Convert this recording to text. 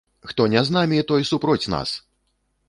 Хто не з намі, той супроць нас!